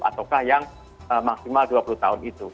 ataukah yang maksimal dua puluh tahun itu